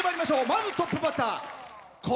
まずはトップバッター。